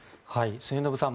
末延さん